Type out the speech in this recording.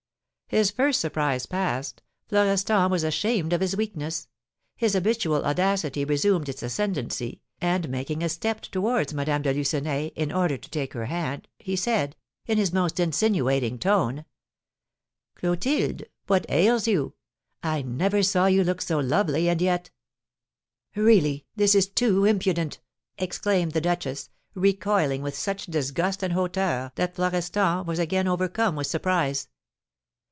His first surprise past, Florestan was ashamed of his weakness; his habitual audacity resumed its ascendency, and, making a step towards Madame de Lucenay in order to take her hand, he said, in his most insinuating tone: "Clotilde, what ails you? I never saw you look so lovely, and yet " "Really, this is too impudent!" exclaimed the duchess, recoiling with such disgust and hauteur that Florestan was again overcome with surprise.